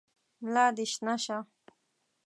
ملا دي شنه شه !